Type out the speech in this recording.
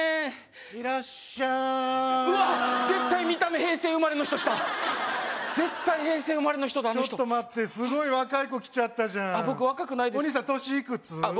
いらっしゃいうわっ絶対見た目平成生まれの人来た絶対平成生まれの人だあの人ちょっと待ってすごい若い子来ちゃったじゃんあっ